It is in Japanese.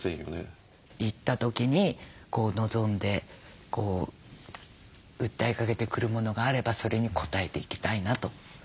行った時に望んで訴えかけてくるものがあればそれに応えていきたいなと。